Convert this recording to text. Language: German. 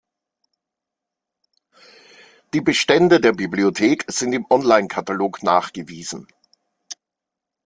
Die Bestände der Bibliothek sind im Online-Katalog nachgewiesen.